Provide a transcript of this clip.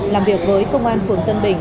làm việc với công an phường tân bình